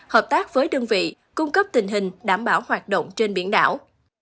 hợp tác với đơn vị cung cấp tình hình đảm bảo hoạt động trên biển đảo